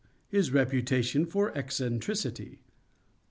His reputation for eccentricity.